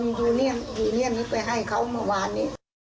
อยู่เนี่ยนคมเปย์ให้เขาเมื่อวานนี้